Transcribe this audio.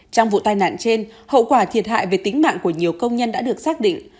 trong vụ tai nạn trên hậu quả thiệt hại về tính mạng của nhiều công nhân đã được xác định